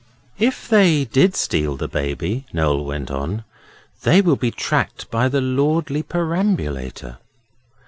'If they did steal the Baby,' Noel went on, 'they will be tracked by the lordly perambulator.